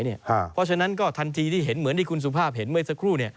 เพราะฉะนั้นก็ทันทีที่เห็นเหมือนที่คุณสุภาพเห็นเมื่อสักครู่